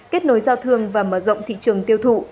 kết nối giao thương và mở rộng thị trường tiêu thụ